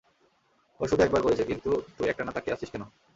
ও শুধু একবার করেছে, কিন্তু তুই একটানা তাকিয়ে আছিস কেন?